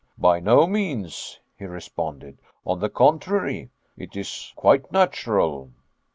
"By no means," he responded; "on the contrary, it is quite natural."